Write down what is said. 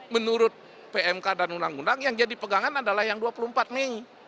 menurut pmk dan undang undang yang jadi pegangan adalah yang dua puluh empat mei